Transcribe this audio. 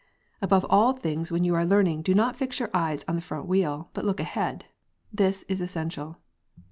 Above all things when you are learning do not fix your eyes on the front wheel, but look ahead. This is essential.